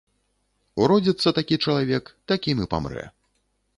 Уродзіцца такі чалавек, такім і памрэ.